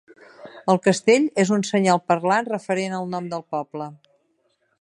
El castell és un senyal parlant referent al nom del poble.